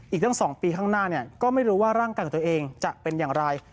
อีกตั้ง๒ปีข้างหน้าก็ไม่รู้ว่าร่างกายของตัวเองจะเป็นอย่างไร